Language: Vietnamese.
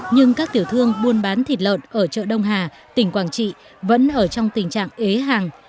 nhưng các tiểu thương buôn bán thịt lợn ở chợ đông hà tỉnh quảng trị vẫn ở trong tình trạng ế hàng